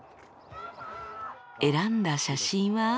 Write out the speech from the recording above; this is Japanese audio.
選んだ写真は。